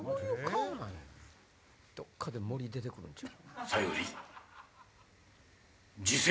どっかで森出て来るんちゃう？